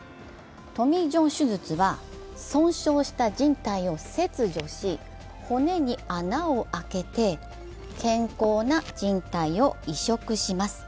トミー・ジョン手術は損傷したじん帯を切除し、骨に穴を開けて、健康なじん帯を移植します。